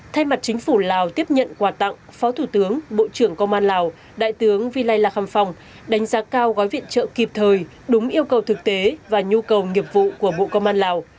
thay mặt chính phủ lào tiếp nhận quà tặng phó thủ tướng bộ trưởng công an lào đại tướng vy lai lạc khăm phòng đánh giá cao gói viện trợ kịp thời đúng yêu cầu thực tế và nhu cầu nghiệp vụ của bộ công an lào